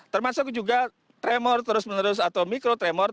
termasuk juga tremor terus menerus atau mikro tremor